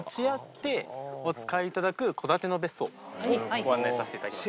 ご案内させて頂きます。